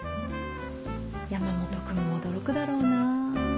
山本君も驚くだろうな。